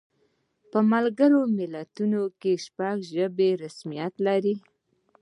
په ملګرو ملتونو کې شپږ ژبې رسمیت لري.